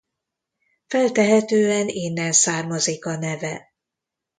Feltehetően innen származik a neve.